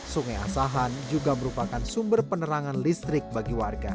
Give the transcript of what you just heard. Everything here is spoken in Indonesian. sungai asahan juga merupakan sumber penerangan listrik bagi warga